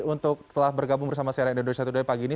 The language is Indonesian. untuk telah bergabung bersama saya rekam dua ratus dua belas pagi ini